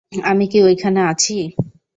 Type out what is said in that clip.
আমি কি ঐখানে আছি?